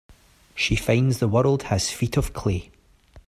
She finds the world has feet of clay.